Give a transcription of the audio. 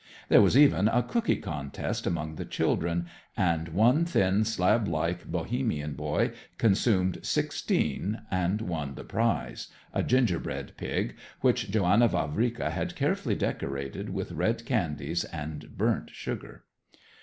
There was even a cooky contest among the children, and one thin, slablike Bohemian boy consumed sixteen and won the prize, a ginger bread pig which Johanna Vavrika had carefully decorated with red candies and burnt sugar.